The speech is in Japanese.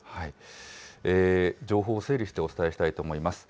情報を整理してお伝えしたいと思います。